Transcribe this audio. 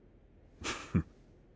フッ。